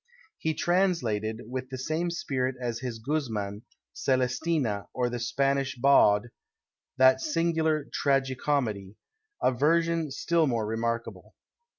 He translated, with the same spirit as his Guzman, Celestina, or the Spanish Bawd, that singular tragi comedy, a version still more remarkable.